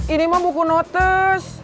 ini mah buku notes